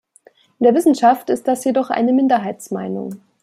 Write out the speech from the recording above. In der Wissenschaft ist das jedoch eine Minderheitsmeinung.